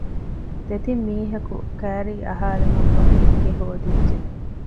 ދެތިން މީހަކު ކައިރީ އަހާލުމަށްފަހު ގެ ހޯދިއްޖެ